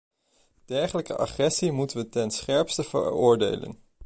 Dergelijke agressie moeten we ten scherpste veroordelen.